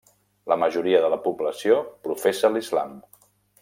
La majoria de la població professa l'Islam.